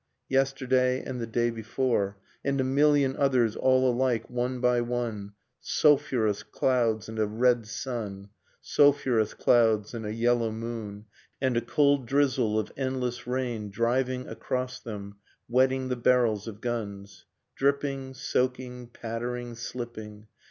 Yesterday and the day before. And a million others, all alike, one by one, Sulphurous clouds and a red sun. Sulphurous clouds and a yellow moon, And a cold drizzle of endless rain Driving across them, wetting the barrels of guns. Dripping, soaking, pattering, slipping.